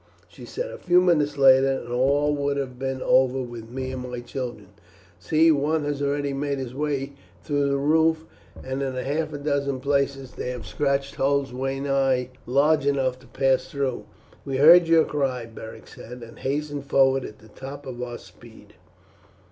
she said. "A few minutes later and all would have been over with me and my children. See, one has already made his way through the roof, and in half a dozen places they have scratched holes well nigh large enough to pass through." "We heard your cry," Beric said, "and hastened forward at the top of our speed."